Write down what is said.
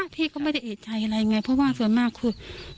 พี่ก็ไม่ได้เอกใจอะไรไงเพราะว่าส่วนมากคือ